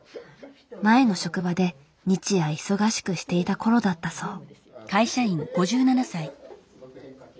前の職場で日夜忙しくしていた頃だったそう。